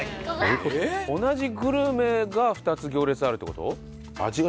同じグルメが２つ行列あるって事？